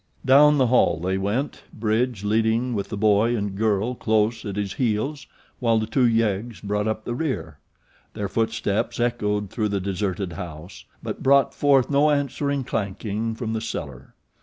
Down the hall they went, Bridge leading with the boy and girl close at his heels while the two yeggs brought up the rear. Their footsteps echoed through the deserted house; but brought forth no answering clanking from the cellar.